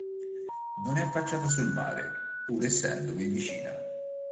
Non è affacciata sul mare pur essendovi vicina.